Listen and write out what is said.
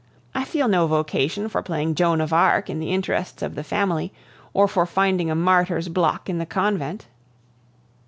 I feel no vocation for playing Joan of Arc in the interests of the family, or for finding a martyr's block in the convent."